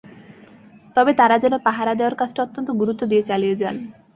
তবে তাঁরা যেন পাহারা দেওয়ার কাজটা অত্যন্ত গুরুত্ব দিয়ে চালিয়ে যান।